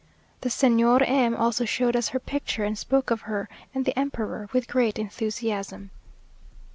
The Señora M also showed us her picture, and spoke of her and the emperor with great enthusiasm.